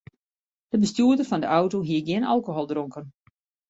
De bestjoerder fan de auto hie gjin alkohol dronken.